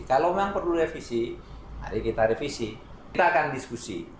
kalau memang perlu revisi mari kita revisi kita akan diskusi